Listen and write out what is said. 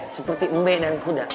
seperti mbe dan kuda